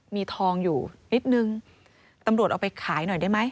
มีทองอยู่นิดนึงตำรวจเอาไปขายหน่อยได้ไหม